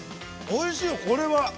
おいしいよ、これは。